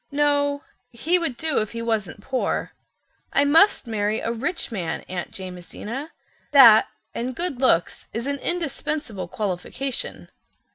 "No, he would do if he wasn't poor. I must marry a rich man, Aunt Jamesina. That—and good looks—is an indispensable qualification.